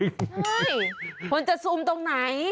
เฮ้ยผมจะซูมตรงไหน